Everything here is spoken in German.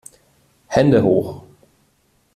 Hände hoch!